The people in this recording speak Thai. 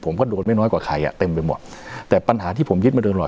ผมก็โดนไม่น้อยกว่าใครอ่ะเต็มไปหมดแต่ปัญหาที่ผมยึดมาเดินหน่อย